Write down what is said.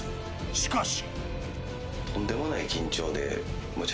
しかし。